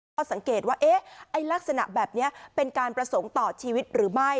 เขาสังเกตว่าลักษณะแบบนี้เป็นการประสงค์ต่อชีวิตหรือไม่